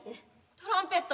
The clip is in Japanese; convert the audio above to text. トランペット。